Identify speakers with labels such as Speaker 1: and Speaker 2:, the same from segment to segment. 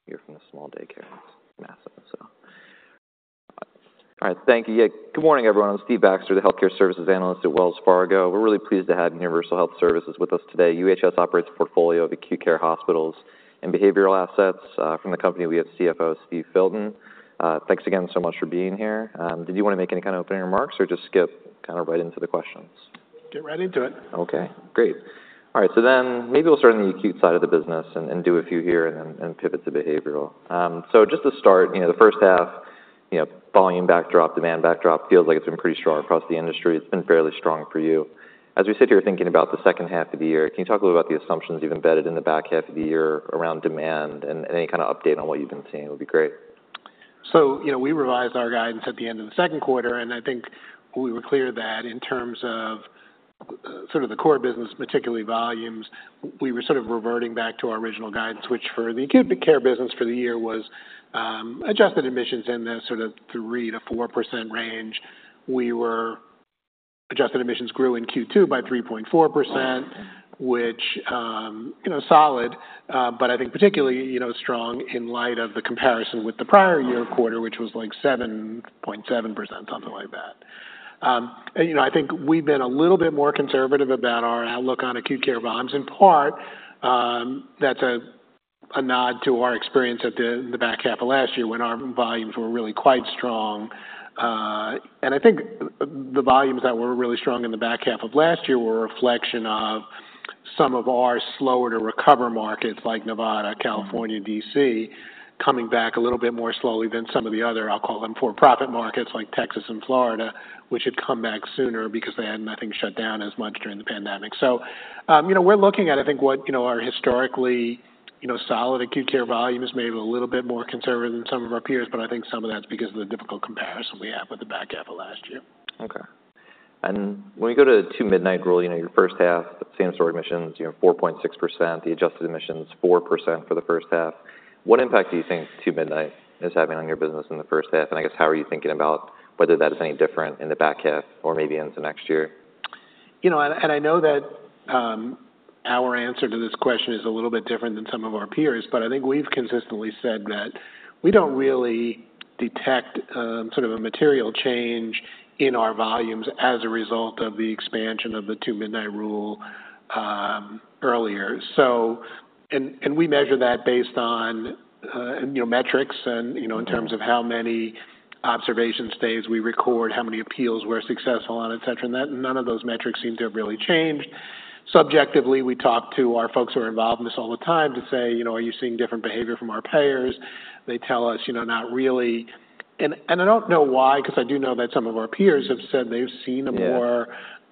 Speaker 1: like, you're from a small daycare, it's massive, so. All right, thank you. Yeah, good morning, everyone. I'm Steve Baxter, the healthcare services analyst at Wells Fargo. We're really pleased to have Universal Health Services with us today. UHS operates a portfolio of acute care hospitals and behavioral assets. From the company, we have CFO Steve Filton. Thanks again so much for being here. Did you wanna make any kind of opening remarks or just skip, kind of, right into the questions?
Speaker 2: Get right into it.
Speaker 1: Okay, great. All right, so then maybe we'll start on the acute side of the business and do a few here and then pivot to behavioral. So just to start, you know, the first half, you know, volume backdrop, demand backdrop, feels like it's been pretty strong across the industry. It's been fairly strong for you. As we sit here thinking about the second half of the year, can you talk a little about the assumptions you've embedded in the back half of the year around demand and any kind of update on what you've been seeing would be great.
Speaker 2: You know, we revised our guidance at the end of the second quarter, and I think we were clear that in terms of sort of the core business, particularly volumes, we were sort of reverting back to our original guidance, which for the acute care business for the year was adjusted admissions in the sort of 3%-4% range. Adjusted admissions grew in Q2 by 3.4%, which you know solid, but I think particularly you know strong in light of the comparison with the prior year quarter, which was like 7.7%, something like that. And you know I think we've been a little bit more conservative about our outlook on acute care volumes. In part, that's a nod to our experience at the back half of last year when our volumes were really quite strong. And I think the volumes that were really strong in the back half of last year were a reflection of some of our slower to recover markets, like Nevada, California, D.C., coming back a little bit more slowly than some of the other, I'll call them, for-profit markets like Texas and Florida, which had come back sooner because they had nothing shut down as much during the pandemic. So, you know, we're looking at, I think, what, you know, are historically, you know, solid acute care volumes, maybe a little bit more conservative than some of our peers, but I think some of that's because of the difficult comparison we have with the back half of last year.
Speaker 1: Okay. And when you go to the Two-Midnight Rule, you know, your first half same-store admissions, you know, 4.6%, the adjusted admissions, 4% for the first half. What impact do you think Two-Midnight is having on your business in the first half? And I guess, how are you thinking about whether that is any different in the back half or maybe into next year?
Speaker 2: You know, and I know that our answer to this question is a little bit different than some of our peers, but I think we've consistently said that we don't really detect sort of a material change in our volumes as a result of the expansion of the Two-Midnight Rule earlier. So we measure that based on you know, metrics and you know, in terms of how many observation stays we record, how many appeals we're successful on, et cetera. And that none of those metrics seem to have really changed. Subjectively, we talk to our folks who are involved in this all the time to say, "You know, are you seeing different behavior from our payers?" They tell us, "You know, not really." And, I don't know why, 'cause I do know that some of our peers have said they've seen-
Speaker 1: Yeah...
Speaker 2: a more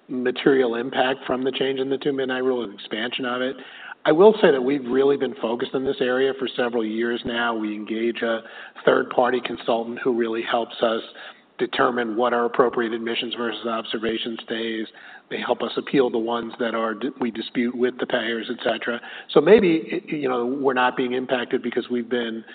Speaker 2: material impact from the change in the Two-Midnight Rule and expansion of it. I will say that we've really been focused on this area for several years now. We engage a third-party consultant who really helps us determine what are appropriate admissions versus observation stays. They help us appeal the ones that we dispute with the payers, et cetera. So maybe, you know, we're not being impacted because we've been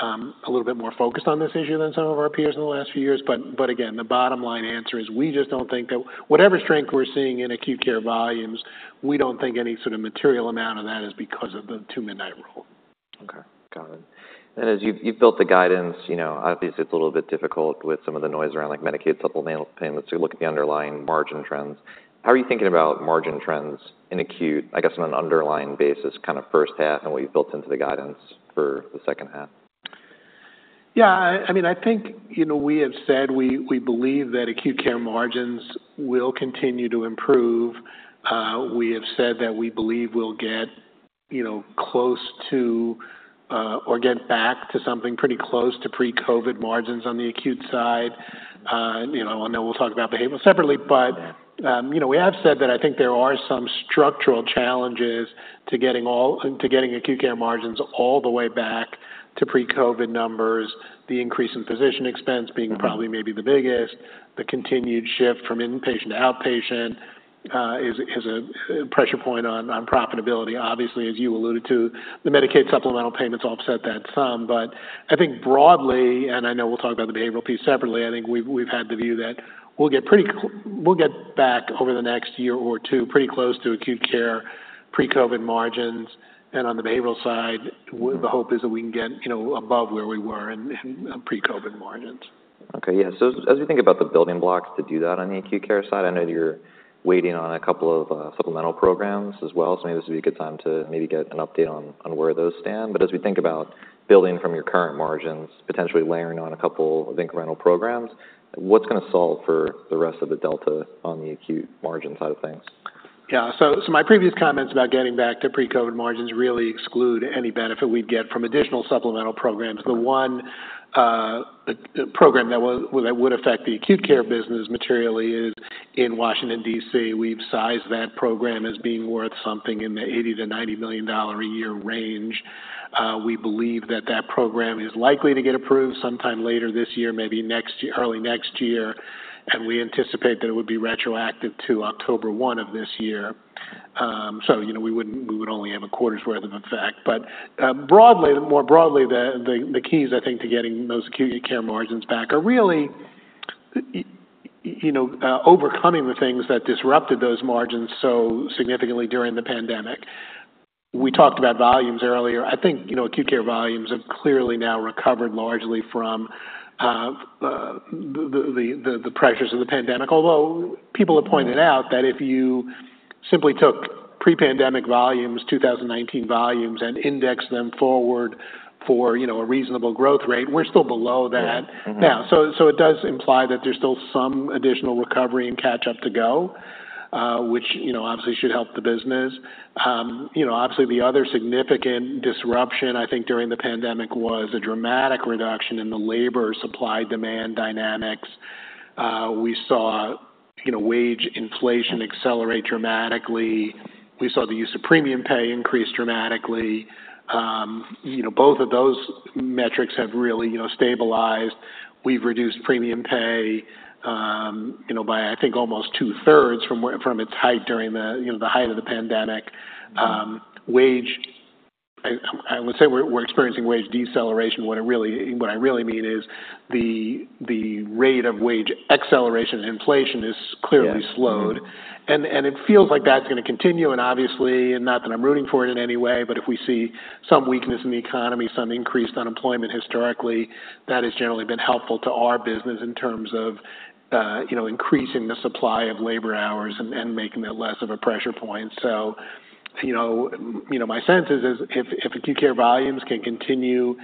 Speaker 2: a little bit more focused on this issue than some of our peers in the last few years. But, but again, the bottom line answer is we just don't think that whatever strength we're seeing in acute care volumes, we don't think any sort of material amount of that is because of the Two-Midnight Rule.
Speaker 1: Okay, got it. And as you've built the guidance, you know, obviously it's a little bit difficult with some of the noise around, like, Medicaid supplemental payments to look at the underlying margin trends. How are you thinking about margin trends in acute, I guess, on an underlying basis, kind of first half and what you've built into the guidance for the second half?
Speaker 2: I mean, I think, you know, we have said we believe that acute care margins will continue to improve. We have said that we believe we'll get, you know, close to or get back to something pretty close to pre-COVID margins on the acute side. You know, and then we'll talk about behavioral separately, but-
Speaker 1: Yeah...
Speaker 2: you know, we have said that I think there are some structural challenges to getting acute care margins all the way back to pre-COVID numbers, the increase in physician expense being probably maybe the biggest, the continued shift from inpatient to outpatient is a pressure point on profitability. Obviously, as you alluded to, the Medicaid supplemental payments offset that some. But I think broadly, and I know we'll talk about the behavioral piece separately, I think we've had the view that we'll get back over the next year or two, pretty close to acute care pre-COVID margins, and on the behavioral side, the hope is that we can get, you know, above where we were in pre-COVID margins.
Speaker 1: Okay, yeah. So as we think about the building blocks to do that on the acute care side, I know you're waiting on a couple of supplemental programs as well, so maybe this would be a good time to maybe get an update on where those stand. But as we think about building from your current margins, potentially layering on a couple of incremental programs, what's gonna solve for the rest of the delta on the acute margin side of things?
Speaker 2: Yeah, so, so my previous comments about getting back to pre-COVID margins really exclude any benefit we'd get from additional supplemental programs.
Speaker 1: Okay.
Speaker 2: The one program that would affect the acute care business materially is in Washington, D.C. We've sized that program as being worth something in the $80-$90 million a year range. We believe that that program is likely to get approved sometime later this year, maybe next year, early next year, and we anticipate that it would be retroactive to October one of this year. So, you know, we would only have a quarter's worth of effect. But broadly, more broadly, the keys, I think, to getting those acute care margins back are really you know overcoming the things that disrupted those margins so significantly during the pandemic. We talked about volumes earlier. I think, you know, acute care volumes have clearly now recovered largely from the pressures of the pandemic. Although people have pointed out that if you simply took pre-pandemic volumes, 2019 volumes, and indexed them forward for, you know, a reasonable growth rate, we're still below that.
Speaker 1: Mm-hmm.
Speaker 2: Now, so it does imply that there's still some additional recovery and catch-up to go, which, you know, obviously should help the business. You know, obviously, the other significant disruption, I think, during the pandemic was a dramatic reduction in the labor supply-demand dynamics. We saw, you know, wage inflation accelerate dramatically. We saw the use of premium pay increase dramatically. You know, both of those metrics have really, you know, stabilized. We've reduced premium pay, you know, by, I think, almost two-thirds from its height during the, you know, the height of the pandemic.
Speaker 1: Mm-hmm.
Speaker 2: Wage, I would say we're experiencing wage deceleration. What I really mean is the rate of wage acceleration and inflation is clearly slowed.
Speaker 1: Yes, mm-hmm.
Speaker 2: It feels like that's gonna continue, and obviously, and not that I'm rooting for it in any way, but if we see some weakness in the economy, some increased unemployment, historically, that has generally been helpful to our business in terms of, you know, increasing the supply of labor hours and making it less of a pressure point. So, you know, my sense is if acute care volumes can continue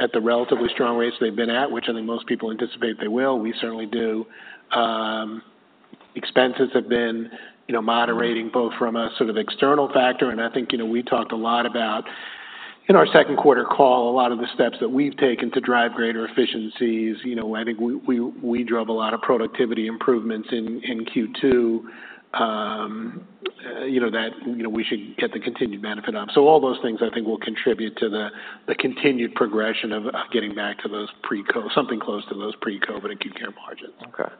Speaker 2: at the relatively strong rates they've been at, which I think most people anticipate they will, we certainly do. Expenses have been, you know, moderating-
Speaker 1: Mm-hmm...
Speaker 2: both from a sort of external factor, and I think, you know, we talked a lot about, in our second quarter call, a lot of the steps that we've taken to drive greater efficiencies. You know, I think we drove a lot of productivity improvements in Q2. You know, that, you know, we should get the continued benefit of. So all those things, I think, will contribute to the continued progression of getting back to those pre-COVID, something close to those pre-COVID acute care margins.
Speaker 1: Okay.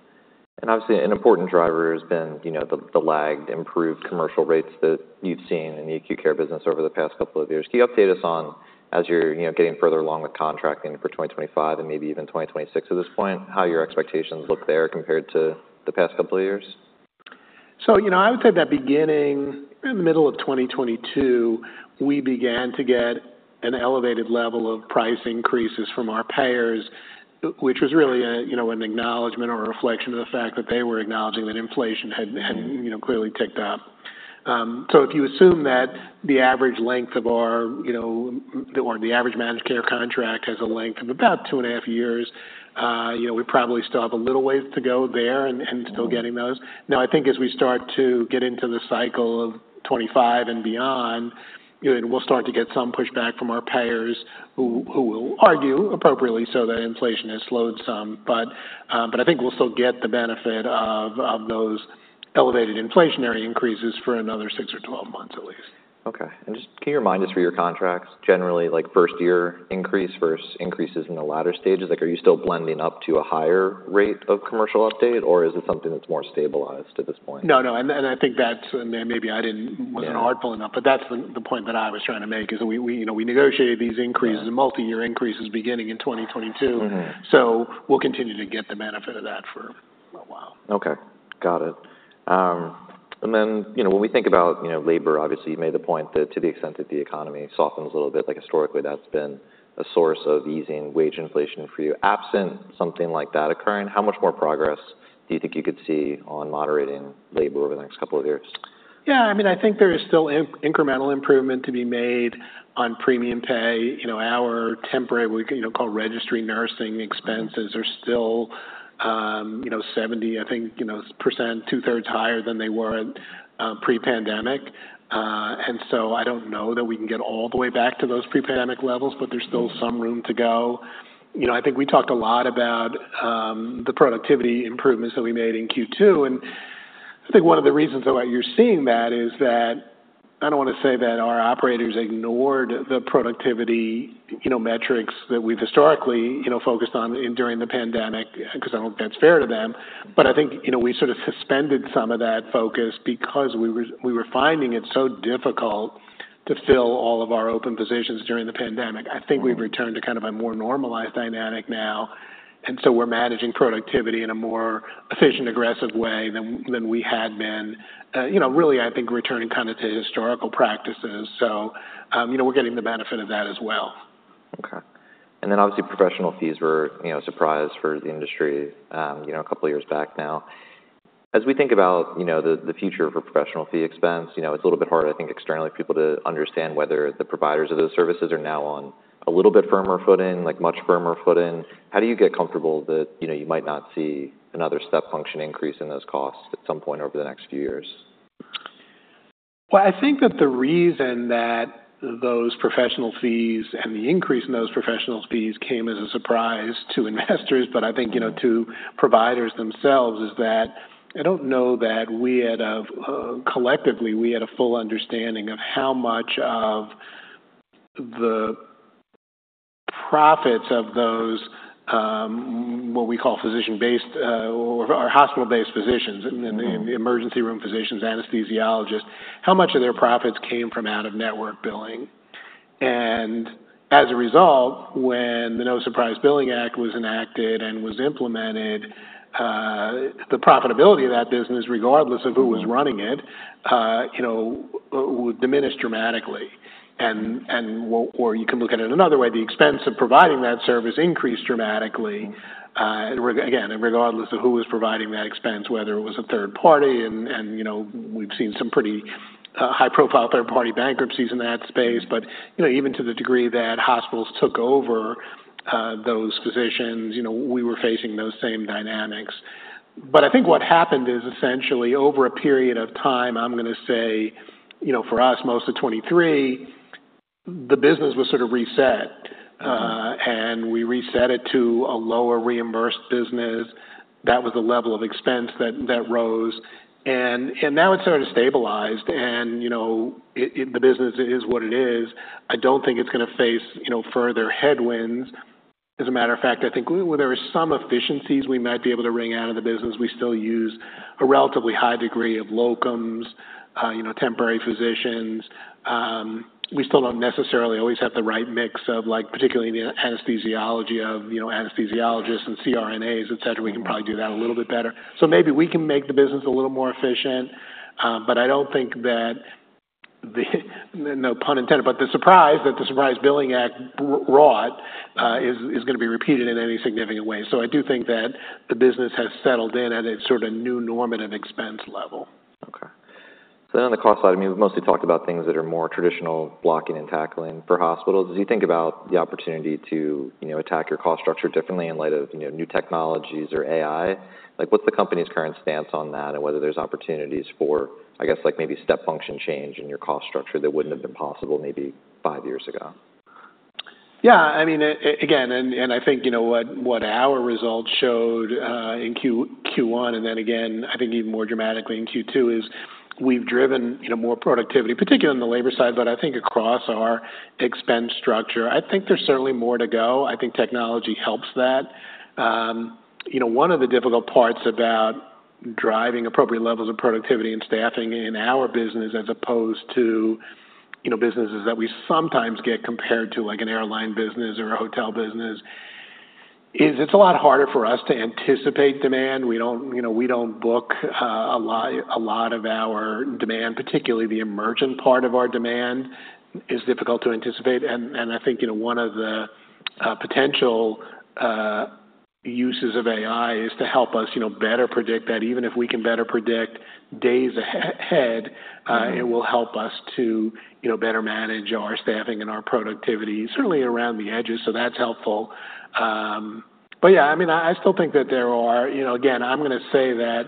Speaker 1: And obviously, an important driver has been, you know, the lagged improved commercial rates that you've seen in the acute care business over the past couple of years. Can you update us on, as you're, you know, getting further along with contracting for 2025 and maybe even 2026 at this point, how your expectations look there compared to the past couple of years?
Speaker 2: You know, I would say that beginning in the middle of 2022, we began to get an elevated level of price increases from our payers, which was really a, you know, an acknowledgment or a reflection of the fact that they were acknowledging that inflation had had-
Speaker 1: Mm-hmm...
Speaker 2: you know, clearly ticked up. So if you assume that the average length of our, you know, or the average managed care contract has a length of about two and a half years, you know, we probably still have a little ways to go there and,
Speaker 1: Mm-hmm...
Speaker 2: still getting those. Now, I think as we start to get into the cycle of 2025 and beyond, you know, we'll start to get some pushback from our payers, who will argue appropriately so that inflation has slowed some. But, but I think we'll still get the benefit of those elevated inflationary increases for another six or 12 months at least.
Speaker 1: Okay, and just, can you remind us for your contracts, generally, like, first year increase versus increases in the latter stages? Like, are you still blending up to a higher rate of commercial update, or is it something that's more stabilized at this point?
Speaker 2: No, and I think that's. And maybe I didn't.
Speaker 1: Yeah...
Speaker 2: wasn't artful enough, but that's the point that I was trying to make, is we, you know, we negotiated these increases-
Speaker 1: Yeah...
Speaker 2: multiyear increases beginning in 2022.
Speaker 1: Mm-hmm.
Speaker 2: We'll continue to get the benefit of that for a little while.
Speaker 1: Okay, got it. And then, you know, when we think about, you know, labor, obviously, you made the point that to the extent that the economy softens a little bit, like historically, that's been a source of easing wage inflation for you. Absent something like that occurring, how much more progress do you think you could see on moderating labor over the next couple of years?
Speaker 2: Yeah, I mean, I think there is still incremental improvement to be made on premium pay. You know, our temporary, we, you know, call registry nursing expenses-
Speaker 1: Mm-hmm...
Speaker 2: are still, you know, 70%, two-thirds higher than they were pre-pandemic, and so I don't know that we can get all the way back to those pre-pandemic levels, but there's-
Speaker 1: Mm-hmm...
Speaker 2: still some room to go. You know, I think we talked a lot about the productivity improvements that we made in Q2, and I think one of the reasons that you're seeing that is that I don't wanna say that our operators ignored the productivity, you know, metrics that we've historically, you know, focused on during the pandemic, because I don't think that's fair to them.
Speaker 1: Mm-hmm.
Speaker 2: But I think, you know, we sort of suspended some of that focus because we were finding it so difficult to fill all of our open positions during the pandemic.
Speaker 1: Mm-hmm.
Speaker 2: I think we've returned to kind of a more normalized dynamic now, and so we're managing productivity in a more efficient, aggressive way than we had been. You know, really, I think returning kind of to historical practices. So, you know, we're getting the benefit of that as well.
Speaker 1: Okay. And then, obviously, professional fees were, you know, a surprise for the industry, you know, a couple of years back now. As we think about, you know, the future for professional fee expense, you know, it's a little bit hard, I think, externally for people to understand whether the providers of those services are now on a little bit firmer footing, like much firmer footing. How do you get comfortable that, you know, you might not see another step function increase in those costs at some point over the next few years?
Speaker 2: I think that the reason that those professional fees and the increase in those professional fees came as a surprise to investors, but I think-
Speaker 1: Mm-hmm...
Speaker 2: you know, to providers themselves, is that I don't know that we collectively had a full understanding of how much of the profits of those what we call physician-based or hospital-based physicians-
Speaker 1: Mm-hmm...
Speaker 2: the emergency room physicians, anesthesiologists, how much of their profits came from out-of-network billing? And as a result, when the No Surprises Act was enacted and was implemented, the profitability of that business, regardless of who was running it, you know, would diminish dramatically. And, or you can look at it another way, the expense of providing that service increased dramatically. Again, and regardless of who was providing that expense, whether it was a third party and, you know, we've seen some pretty high-profile third-party bankruptcies in that space. But, you know, even to the degree that hospitals took over those physicians, you know, we were facing those same dynamics. But I think what happened is essentially over a period of time, I'm gonna say, you know, for us, most of 2023, the business was sort of reset.
Speaker 1: Mm-hmm.
Speaker 2: And we reset it to a lower reimbursed business. That was the level of expense that rose, and now it's sort of stabilized and, you know, the business is what it is. I don't think it's gonna face, you know, further headwinds. As a matter of fact, I think there are some efficiencies we might be able to wring out of the business. We still use a relatively high degree of locums, you know, temporary physicians. We still don't necessarily always have the right mix of, like, particularly in the anesthesiology of, you know, anesthesiologists and CRNAs, et cetera. We can probably do that a little bit better. So maybe we can make the business a little more efficient, but I don't think that the no pun intended, but the surprise that the Surprise Billing Act wrought is gonna be repeated in any significant way. So I do think that the business has settled in at a sort of new normative expense level.
Speaker 1: Okay. So then on the cost side, I mean, we've mostly talked about things that are more traditional blocking and tackling for hospitals. As you think about the opportunity to, you know, attack your cost structure differently in light of, you know, new technologies or AI, like, what's the company's current stance on that, and whether there's opportunities for, I guess, like, maybe step function change in your cost structure that wouldn't have been possible maybe five years ago?
Speaker 2: Yeah, I mean, again, and I think, you know, what our results showed in Q1, and then again, I think even more dramatically in Q2, is we've driven, you know, more productivity, particularly on the labor side, but I think across our expense structure. I think there's certainly more to go. I think technology helps that. You know, one of the difficult parts about driving appropriate levels of productivity and staffing in our business as opposed to, you know, businesses that we sometimes get compared to, like an airline business or a hotel business, is it's a lot harder for us to anticipate demand. We don't, you know, we don't book a lot of our demand, particularly the emergent part of our demand, is difficult to anticipate. I think, you know, one of the potential uses of AI is to help us, you know, better predict that. Even if we can better predict days ahead, it will help us to, you know, better manage our staffing and our productivity, certainly around the edges, so that's helpful. But yeah, I mean, I still think that there are... You know, again, I'm gonna say that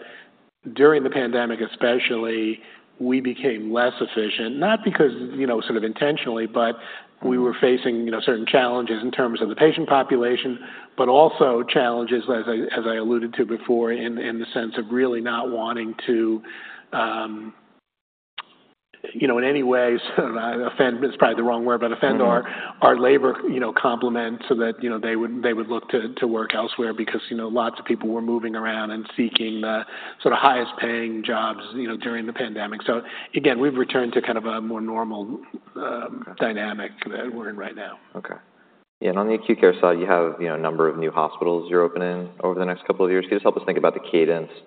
Speaker 2: during the pandemic especially, we became less efficient, not because, you know, sort of intentionally, but we were facing, you know, certain challenges in terms of the patient population, but also challenges, as I alluded to before, in the sense of really not wanting to, you know, in any way, offend, it's probably the wrong word, but offend our labor, you know, complement, so that, you know, they would look to work elsewhere. Because, you know, lots of people were moving around and seeking the sort of highest paying jobs, you know, during the pandemic. So again, we've returned to kind of a more normal,
Speaker 1: Okay...
Speaker 2: dynamic that we're in right now.
Speaker 1: Okay. And on the acute care side, you have, you know, a number of new hospitals you're opening over the next couple of years. Can you just help us think about the cadence of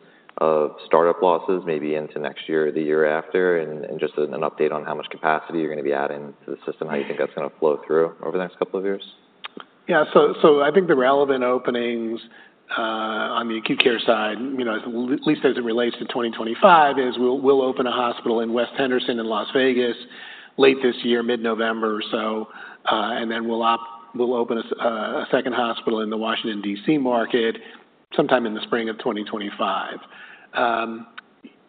Speaker 1: startup losses maybe into next year or the year after, and just an update on how much capacity you're gonna be adding to the system? How do you think that's gonna flow through over the next couple of years?
Speaker 2: Yeah, so I think the relevant openings on the acute care side, you know, at least as it relates to 2025, is we'll open a hospital in West Henderson in Las Vegas late this year, mid-November or so. And then we'll open a second hospital in the Washington, D.C. market sometime in the spring of 2025.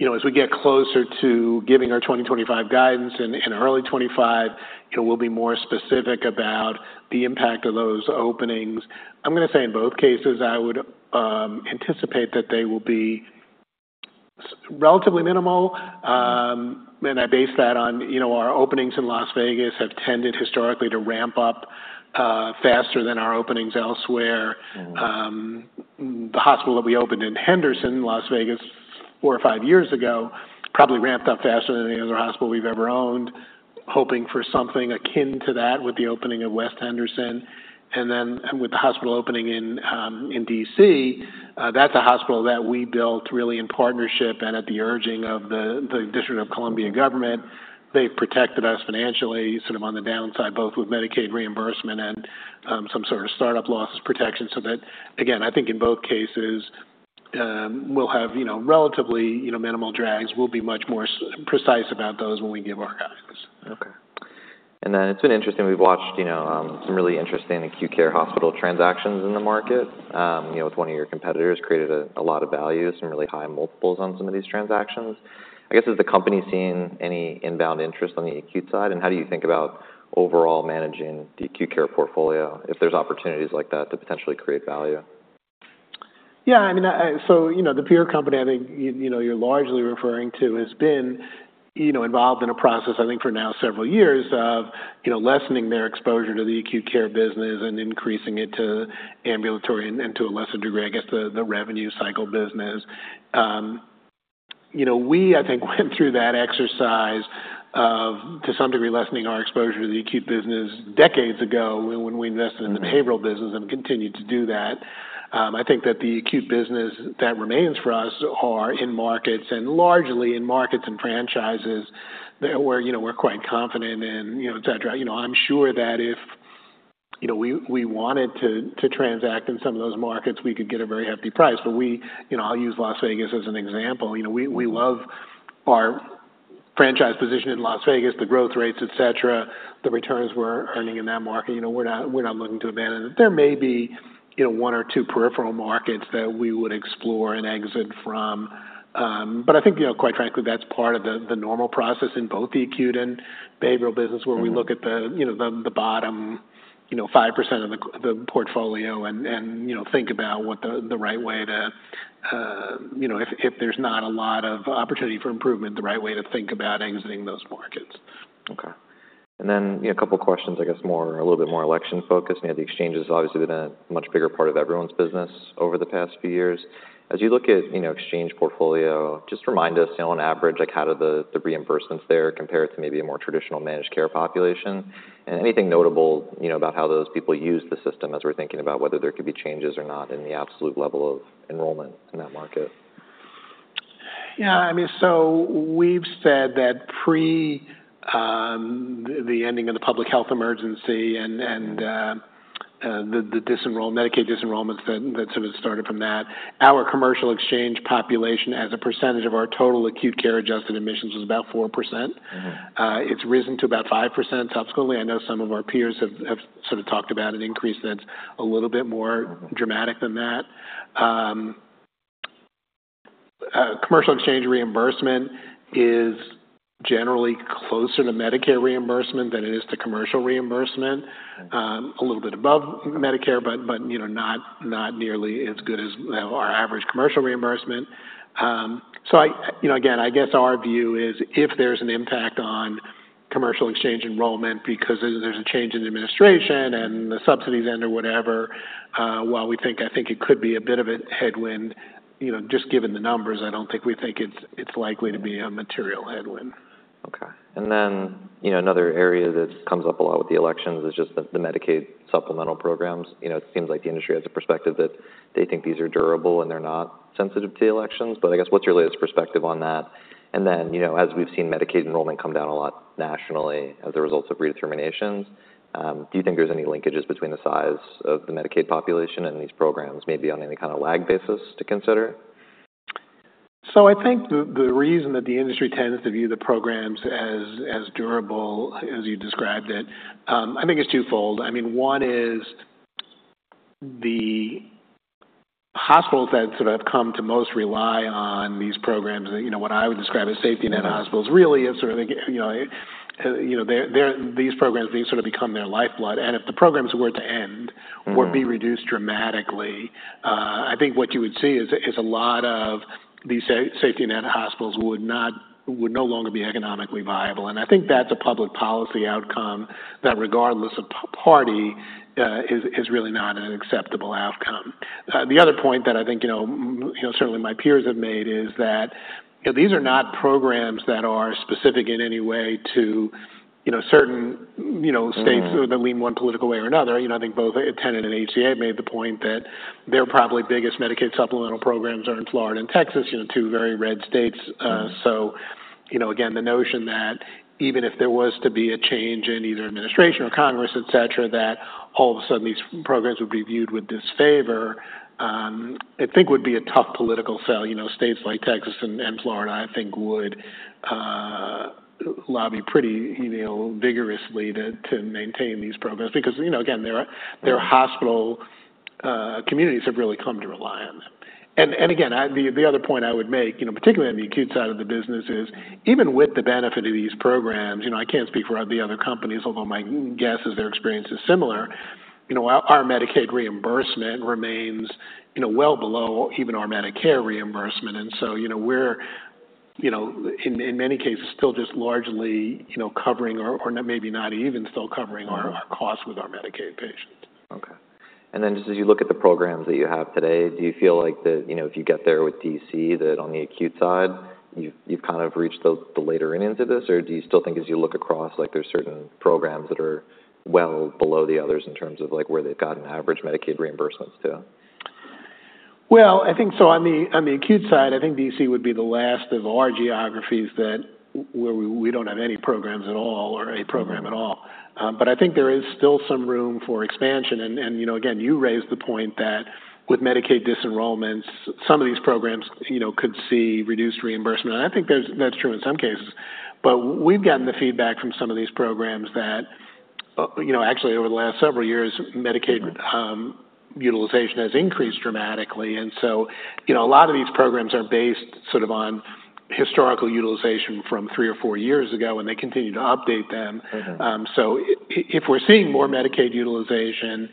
Speaker 2: You know, as we get closer to giving our 2025 guidance in early 2025, you know, we'll be more specific about the impact of those openings. I'm gonna say in both cases, I would anticipate that they will be relatively minimal, and I base that on, you know, our openings in Las Vegas have tended historically to ramp up faster than our openings elsewhere.
Speaker 1: Mm.
Speaker 2: The hospital that we opened in Henderson, Las Vegas, four or five years ago probably ramped up faster than any other hospital we've ever owned. Hoping for something akin to that with the opening of West Henderson. And then with the hospital opening in DC, that's a hospital that we built really in partnership and at the urging of the District of Columbia government. They've protected us financially, sort of on the downside, both with Medicaid reimbursement and some sort of startup losses protection. So that, again, I think in both cases, we'll have, you know, relatively, you know, minimal drags. We'll be much more precise about those when we give our guidance.
Speaker 1: Okay. And then it's been interesting, we've watched, you know, some really interesting acute care hospital transactions in the market. You know, with one of your competitors, created a lot of value, some really high multiples on some of these transactions. I guess, has the company seen any inbound interest on the acute side, and how do you think about overall managing the acute care portfolio, if there's opportunities like that to potentially create value?
Speaker 2: Yeah, I mean, so, you know, the peer company, I think, you, you know, you're largely referring to, has been, you know, involved in a process, I think, for now several years of, you know, lessening their exposure to the acute care business and increasing it to ambulatory and, and to a lesser degree, I guess, the, the revenue cycle business. You know, we, I think, went through that exercise of, to some degree, lessening our exposure to the acute business decades ago when, when we invested in the behavioral business and continued to do that. I think that the acute business that remains for us are in markets and largely in markets and franchises that where, you know, we're quite confident in, you know, et cetera. You know, I'm sure that if you know, we wanted to transact in some of those markets, we could get a very hefty price. But you know, I'll use Las Vegas as an example. You know, we love our franchise position in Las Vegas, the growth rates, et cetera, the returns we're earning in that market. You know, we're not looking to abandon it. There may be, you know, one or two peripheral markets that we would explore and exit from, but I think, you know, quite frankly, that's part of the normal process in both the acute and behavioral business, where we look at the, you know, the bottom, you know, 5% of the portfolio and, you know, think about what the right way to, you know, if there's not a lot of opportunity for improvement, the right way to think about exiting those markets.
Speaker 1: Okay. And then, you know, a couple questions, I guess, more, a little bit more election-focused. You know, the exchange has obviously been a much bigger part of everyone's business over the past few years. As you look at, you know, exchange portfolio, just remind us, you know, on average, like, how do the, the reimbursements there compare to maybe a more traditional managed care population? And anything notable, you know, about how those people use the system, as we're thinking about whether there could be changes or not in the absolute level of enrollment in that market?
Speaker 2: Yeah, I mean, so we've said that pre, the ending of the Public Health Emergency and the Medicaid disenrollments that sort of started from that, our commercial exchange population, as a percentage of our total acute care adjusted admissions, was about 4%.
Speaker 1: Mm-hmm.
Speaker 2: It's risen to about 5% subsequently. I know some of our peers have sort of talked about an increase that's a little bit more-
Speaker 1: Mm-hmm...
Speaker 2: dramatic than that. Commercial exchange reimbursement is generally closer to Medicare reimbursement than it is to commercial reimbursement.
Speaker 1: Mm-hmm.
Speaker 2: A little bit above Medicare, but you know, not nearly as good as our average commercial reimbursement. So, you know, again, I guess our view is if there's an impact on commercial exchange enrollment because there's a change in the administration and the subsidies end or whatever, while we think, I think it could be a bit of a headwind, you know, just given the numbers, I don't think we think it's likely to be a material headwind.
Speaker 1: Okay. Then, you know, another area that comes up a lot with the elections is just the Medicaid supplemental programs. You know, it seems like the industry has a perspective that they think these are durable, and they're not sensitive to the elections, but I guess, what's your latest perspective on that? And then, you know, as we've seen Medicaid enrollment come down a lot nationally as a result of redeterminations, do you think there's any linkages between the size of the Medicaid population and these programs, maybe on any kind of lag basis, to consider?
Speaker 2: So I think the reason that the industry tends to view the programs as durable, as you described it, I mean, one is the hospitals that sort of come to most rely on these programs, you know, what I would describe as safety net hospitals, really is sort of, you know, you know, these programs sort of become their lifeblood, and if the programs were to end-
Speaker 1: Mm-hmm...
Speaker 2: or be reduced dramatically. I think what you would see is a lot of these safety net hospitals would no longer be economically viable, and I think that's a public policy outcome that regardless of party is really not an acceptable outcome. The other point that I think, you know, certainly my peers have made is that, you know, these are not programs that are specific in any way to, you know, certain, you know-
Speaker 1: Mm-hmm...
Speaker 2: states that lean one political way or another. You know, I think both Tenet and HCA made the point that their probably biggest Medicaid supplemental programs are in Florida and Texas, you know, two very red states.
Speaker 1: Mm-hmm.
Speaker 2: So, you know, again, the notion that even if there was to be a change in either administration or Congress, et cetera, that all of a sudden these programs would be viewed with disfavor, I think would be a tough political sell. You know, states like Texas and Florida, I think would lobby pretty, you know, vigorously to maintain these programs because, you know, again, their-
Speaker 1: Mm-hmm...
Speaker 2: their hospital communities have really come to rely on them, and again, the other point I would make, you know, particularly on the acute side of the business, is even with the benefit of these programs, you know, I can't speak for the other companies, although my guess is their experience is similar. You know, our Medicaid reimbursement remains, you know, well below even our Medicare reimbursement, and so, you know, we're, you know, in many cases, still just largely, you know, covering or maybe not even still covering-
Speaker 1: Mm-hmm...
Speaker 2: our costs with our Medicaid patients.
Speaker 1: Okay. And then, just as you look at the programs that you have today, do you feel like that, you know, if you get there with D.C., that on the acute side, you've kind of reached the later innings into this? Or do you still think as you look across, like, there's certain programs that are well below the others in terms of, like, where they've gotten average Medicaid reimbursements to?
Speaker 2: I think so on the acute side. I think DC would be the last of our geographies that where we don't have any programs at all or a program at all.
Speaker 1: Mm-hmm.
Speaker 2: But I think there is still some room for expansion. And, you know, again, you raised the point that with Medicaid disenrollments, some of these programs, you know, could see reduced reimbursement, and I think there's, that's true in some cases. But we've gotten the feedback from some of these programs that, you know, actually, over the last several years, Medicaid-
Speaker 1: Mm-hmm ...
Speaker 2: utilization has increased dramatically. And so, you know, a lot of these programs are based sort of on historical utilization from three or four years ago, and they continue to update them.
Speaker 1: Mm-hmm.
Speaker 2: So if we're seeing more Medicaid utilization,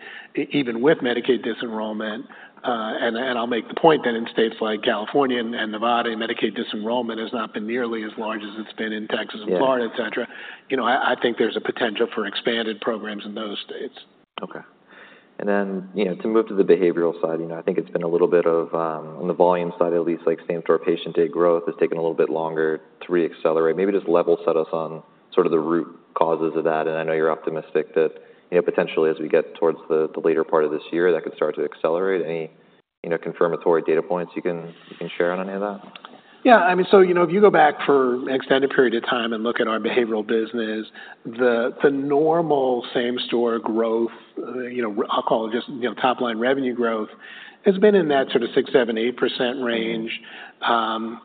Speaker 2: even with Medicaid disenrollment, and I'll make the point that in states like California and Nevada, Medicaid disenrollment has not been nearly as large as it's been in Texas-
Speaker 1: Yeah...
Speaker 2: and Florida, et cetera. You know, I think there's a potential for expanded programs in those states.
Speaker 1: And then, you know, to move to the behavioral side, you know, I think it's been a little bit of, on the volume side, at least, like, same-store patient day growth has taken a little bit longer to re-accelerate. Maybe just level set us on sort of the root causes of that. And I know you're optimistic that, you know, potentially, as we get towards the later part of this year, that could start to accelerate. Any, you know, confirmatory data points you can share on any of that?
Speaker 2: Yeah, I mean, so, you know, if you go back for an extended period of time and look at our behavioral business, the normal same-store growth, you know, I'll call it just, you know, top line revenue growth, has been in that sort of six, seven, eight percent range. And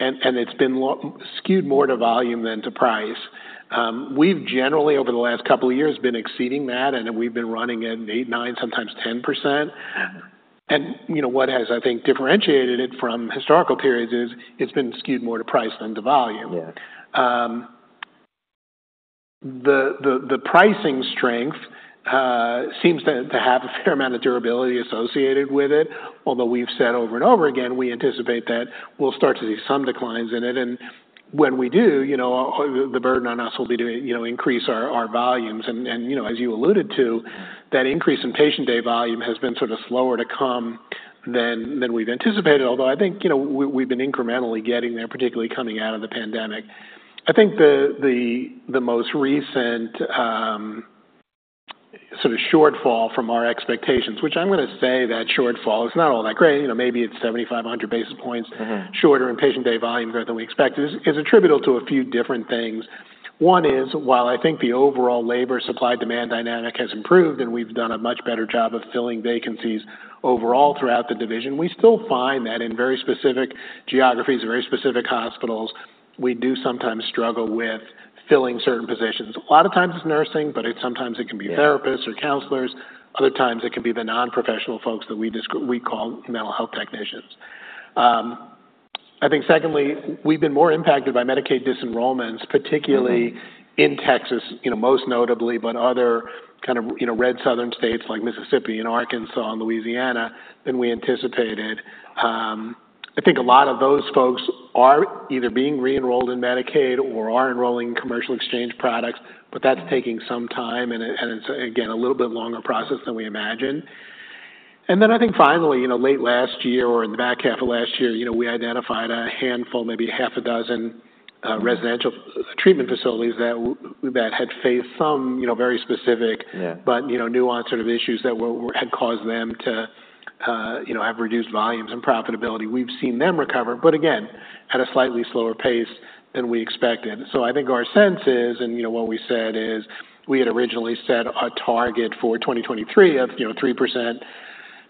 Speaker 2: it's been low-skewed more to volume than to price. We've generally, over the last couple of years, been exceeding that, and we've been running at 8%, 9%, sometimes 10%.
Speaker 1: Yeah.
Speaker 2: You know, what has, I think, differentiated it from historical periods is it's been skewed more to price than to volume.
Speaker 1: Yeah.
Speaker 2: The pricing strength seems to have a fair amount of durability associated with it. Although we've said over and over again, we anticipate that we'll start to see some declines in it, and when we do, you know, the burden on us will be to, you know, increase our volumes. And you know, as you alluded to-
Speaker 1: Mm-hmm.
Speaker 2: -that increase in patient day volume has been sort of slower to come than we've anticipated. Although, I think, you know, we, we've been incrementally getting there, particularly coming out of the pandemic. I think the most recent sort of shortfall from our expectations, which I'm gonna say that shortfall is not all that great, you know, maybe it's 75-100 basis points-
Speaker 1: Mm-hmm.
Speaker 2: Shorter inpatient day volume growth than we expected is attributable to a few different things. One is, while I think the overall labor supply-demand dynamic has improved, and we've done a much better job of filling vacancies overall throughout the division, we still find that in very specific geographies and very specific hospitals, we do sometimes struggle with filling certain positions. A lot of times it's nursing, but sometimes it can be-
Speaker 1: Yeah
Speaker 2: therapists or counselors. Other times it can be the non-professional folks that we call mental health technicians. I think secondly, we've been more impacted by Medicaid disenrollments, particularly-
Speaker 1: Mm-hmm
Speaker 2: -in Texas, you know, most notably, but other kind of, you know, red southern states like Mississippi and Arkansas and Louisiana than we anticipated. I think a lot of those folks are either being re-enrolled in Medicaid or are enrolling in commercial exchange products, but that's-
Speaker 1: Mm-hmm
Speaker 2: Taking some time, and it... And it's, again, a little bit longer process than we imagined. And then I think finally, you know, late last year or in the back half of last year, you know, we identified a handful, maybe half a dozen.
Speaker 1: Mm-hmm
Speaker 2: residential treatment facilities that had faced some, you know, very specific
Speaker 1: Yeah
Speaker 2: But, you know, nuanced sort of issues that had caused them to, you know, have reduced volumes and profitability. We've seen them recover, but again, at a slightly slower pace than we expected. So I think our sense is, and you know, what we said is, we had originally set a target for 2023 of, you know, 3%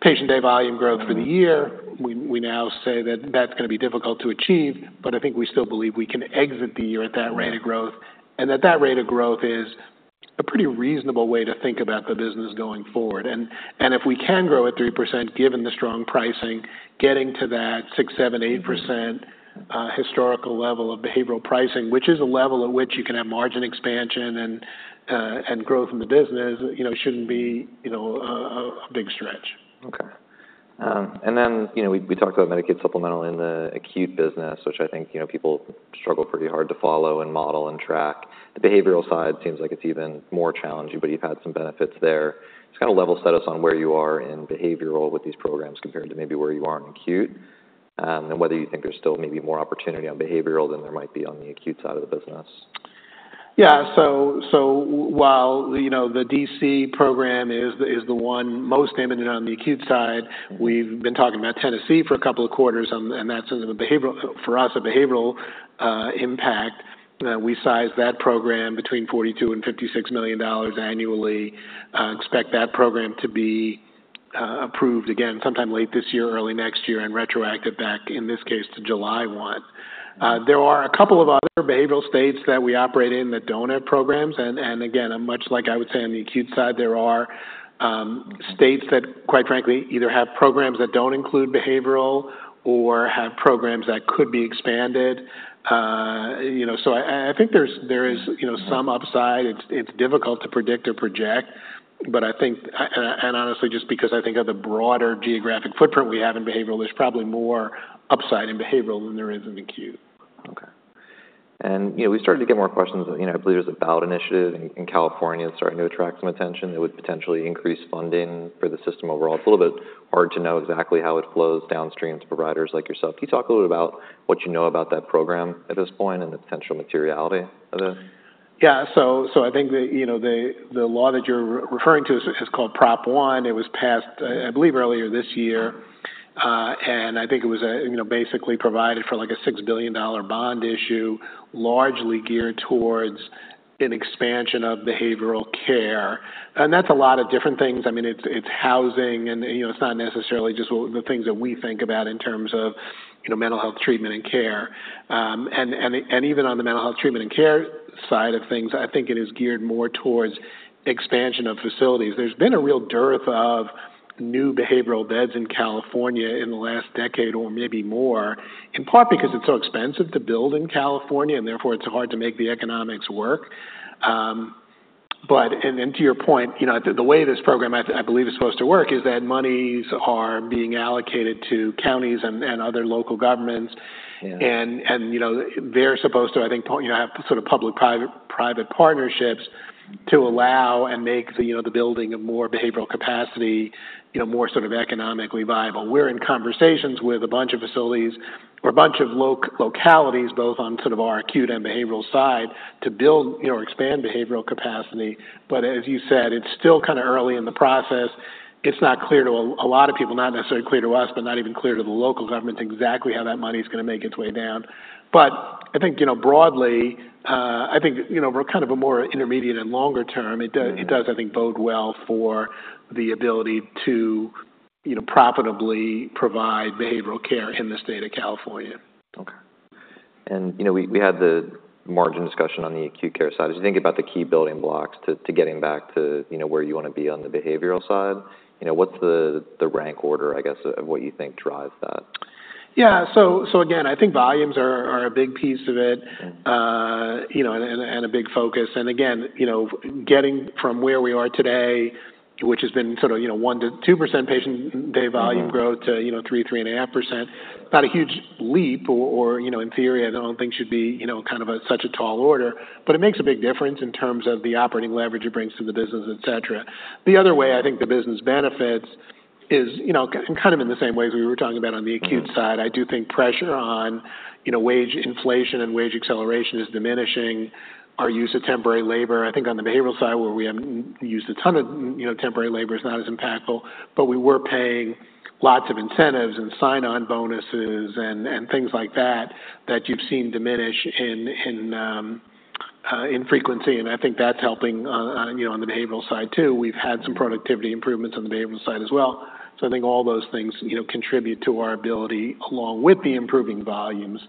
Speaker 2: patient day volume growth for the year.
Speaker 1: Mm-hmm.
Speaker 2: We now say that that's gonna be difficult to achieve, but I think we still believe we can exit the year at that rate of growth.
Speaker 1: Yeah.
Speaker 2: That rate of growth is a pretty reasonable way to think about the business going forward. If we can grow at 3%, given the strong pricing, getting to that 6%, 7%, 8%-
Speaker 1: Mm-hmm
Speaker 2: historical level of behavioral pricing, which is a level at which you can have margin expansion and growth in the business, you know, shouldn't be, you know, a big stretch.
Speaker 1: Okay. And then, you know, we talked about Medicaid Supplemental in the Acute business, which I think, you know, people struggle pretty hard to follow and model and track. The behavioral side seems like it's even more challenging, but you've had some benefits there. Just kind of level set us on where you are in behavioral with these programs, compared to maybe where you are in Acute, and whether you think there's still maybe more opportunity on behavioral than there might be on the Acute side of the business.
Speaker 2: Yeah. So while, you know, the DC program is the one most damaged on the acute side, we've been talking about Tennessee for a couple of quarters, and that's in the behavioral for us, a behavioral impact. We sized that program between $42 million-$56 million annually. Expect that program to be approved again sometime late this year, early next year, and retroactive back, in this case, to July one.
Speaker 1: Mm-hmm.
Speaker 2: There are a couple of other behavioral states that we operate in that don't have programs, and again, much like I would say, on the Acute side, there are states that, quite frankly, either have programs that don't include behavioral or have programs that could be expanded. You know, so I think there is, you know, some upside. It's difficult to predict or project, but I think and honestly, just because I think of the broader geographic footprint we have in behavioral, there's probably more upside in behavioral than there is in Acute.
Speaker 1: Okay, and, you know, we started to get more questions. You know, I believe there's a ballot initiative in California, starting to attract some attention that would potentially increase funding for the system overall. It's a little bit hard to know exactly how it flows downstream to providers like yourself. Can you talk a little about what you know about that program at this point and the potential materiality of it?
Speaker 2: Yeah. So I think the, you know, the law that you're referring to is called Prop 1. It was passed, I believe, earlier this year, and I think it was, you know, basically provided for, like, a $6 billion bond issue, largely geared towards an expansion of behavioral care. And that's a lot of different things. I mean, it's housing and, you know, it's not necessarily just what the things that we think about in terms of, you know, mental health treatment and care. And even on the mental health treatment and care side of things, I think it is geared more towards expansion of facilities. There's been a real dearth of new behavioral beds in California in the last decade, or maybe more, in part because it's so expensive to build in California, and therefore, it's hard to make the economics work. But then, to your point, you know, the way this program, I believe, is supposed to work is that monies are being allocated to counties and other local governments.
Speaker 1: Yeah.
Speaker 2: They're supposed to, I think, you know, have sort of public/private partnerships to allow and make the building of more behavioral capacity, you know, more sort of economically viable. We're in conversations with a bunch of facilities or a bunch of localities, both on sort of our acute and behavioral side, to build, you know, expand behavioral capacity. But as you said, it's still kinda early in the process. It's not clear to a lot of people, not necessarily clear to us, but not even clear to the local government, exactly how that money's gonna make its way down. But I think, you know, broadly, I think, you know, we're kind of a more intermediate and longer term. It does, I think, bode well for the ability to, you know, profitably provide behavioral care in the state of California.
Speaker 1: Okay. And, you know, we had the margin discussion on the acute care side. As you think about the key building blocks to getting back to, you know, where you wanna be on the behavioral side, you know, what's the rank order, I guess, of what you think drives that?
Speaker 2: Yeah, so again, I think volumes are a big piece of it, you know, and a big focus, and again, you know, getting from where we are today, which has been sort of, you know, 1%-2% patient day volume growth to, you know, 3%-3.5%, not a huge leap or, you know, in theory, I don't think should be, you know, kind of such a tall order, but it makes a big difference in terms of the operating leverage it brings to the business, et cetera. The other way I think the business benefits is, you know, kind of in the same way as we were talking about on the acute side, I do think pressure on, you know, wage inflation and wage acceleration is diminishing. Our use of temporary labor, I think on the behavioral side, where we use a ton of, you know, temporary labor, is not as impactful, but we were paying lots of incentives and sign-on bonuses and things like that, that you've seen diminish in frequency, and I think that's helping on, you know, on the behavioral side too. We've had some productivity improvements on the behavioral side as well. So I think all those things, you know, contribute to our ability, along with the improving volumes,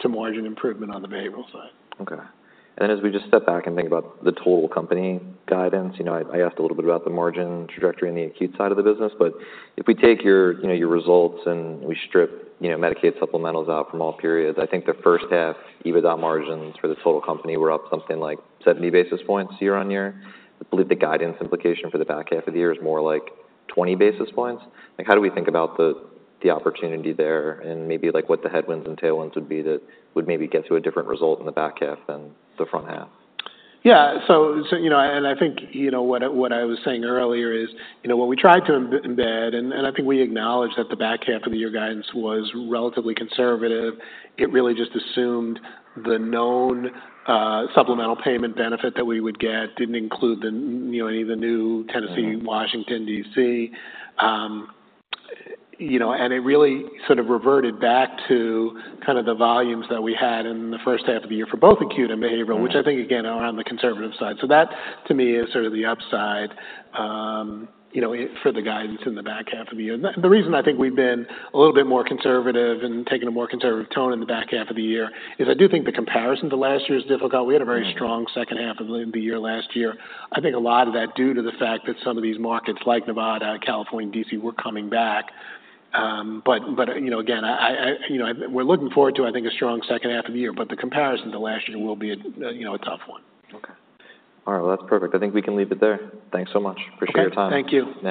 Speaker 2: to margin improvement on the behavioral side.
Speaker 1: Okay. And then as we just step back and think about the total company guidance, you know, I asked a little bit about the margin trajectory on the acute side of the business, but if we take your, you know, your results and we strip, you know, Medicaid supplementals out from all periods, I think the first half, even without margins for the total company, we're up something like seventy basis points year on year. I believe the guidance implication for the back half of the year is more like twenty basis points. Like, how do we think about the, the opportunity there and maybe, like, what the headwinds and tailwinds would be that would maybe get to a different result in the back half than the front half?
Speaker 2: Yeah. So, you know, and I think, you know, what I was saying earlier is, you know, what we tried to embed, and I think we acknowledged that the back half of the year guidance was relatively conservative. It really just assumed the known supplemental payment benefit that we would get. Didn't include the, you know, any of the new Tennessee, Washington, D.C. You know, and it really sort of reverted back to kind of the volumes that we had in the first half of the year for both acute and behavioral-
Speaker 1: Mm-hmm.
Speaker 2: which I think, again, are on the conservative side. So that, to me, is sort of the upside, you know, for the guidance in the back half of the year. The reason I think we've been a little bit more conservative and taking a more conservative tone in the back half of the year is I do think the comparison to last year is difficult.
Speaker 1: Mm.
Speaker 2: We had a very strong second half of the year last year. I think a lot of that due to the fact that some of these markets, like Nevada, California, and DC, were coming back, but you know, again, you know, we're looking forward to, I think, a strong second half of the year, but the comparison to last year will be, you know, a tough one.
Speaker 1: Okay. All right, well, that's perfect. I think we can leave it there. Thanks so much.
Speaker 2: Okay.
Speaker 1: Appreciate your time.
Speaker 2: Thank you.
Speaker 1: Yeah.